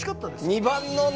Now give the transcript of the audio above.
２番のね